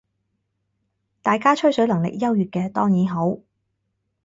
大家吹水能力優越嘅當然好